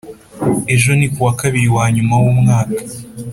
Ejo niku wa kabiri wanyuma w’umwaka